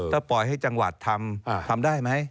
และปล่อยให้จังหวัดทำได้มั้ย